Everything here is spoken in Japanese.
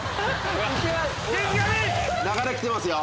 流れ来てますよ。